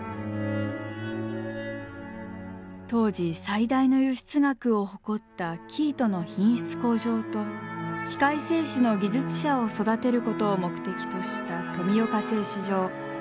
当時最大の輸出額を誇った生糸の品質向上と器械製糸の技術者を育てることを目的とした富岡製糸場。